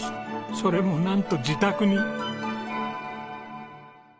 それもなんと自宅に！